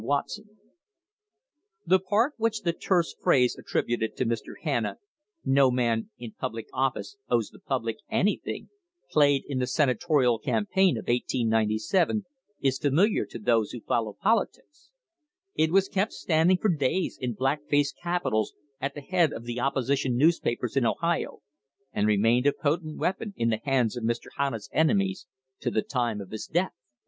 WATSON. THE HISTORY OF THE STANDARD OIL COMPANY The part which the terse phrase attributed to Mr. Hanna, "NO MAN IN PUBLIC OFFICE OWES THE PUBLIC ANYTHING," played in the Senatorial campaign of 1897 is familiar to those who follow politics. It was kept standing for days in black faced capitals at the head of the opposition newspapers in Ohio, and remained a potent weapon in the hands of Mr. Hanna's enemies to the time of his death.